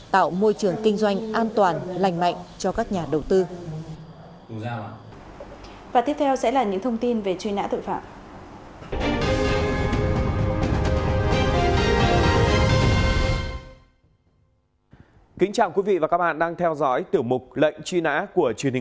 tạo môi trường kinh doanh an toàn lành mạnh cho các nhà đầu tư phạm